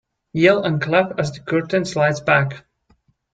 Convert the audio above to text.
Yell and clap as the curtain slides back.